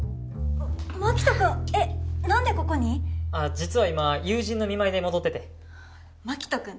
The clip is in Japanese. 実は今友人の見舞いで戻っててマキトくん